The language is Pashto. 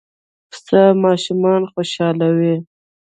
پسه ماشومان خوشحالوي.